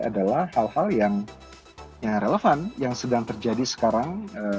adalah hal hal yang relevan yang sedang terjadi sekarang